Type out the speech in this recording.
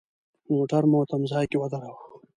موټر مو تم ځای کې ودراوه.